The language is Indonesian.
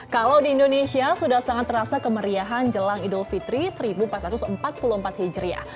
kalau di indonesia sudah sangat terasa kemeriahan jelang idul fitri seribu empat ratus empat puluh empat hijriah